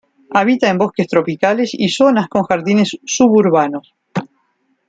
Habita en bosques tropicales y zonas con jardines suburbanos.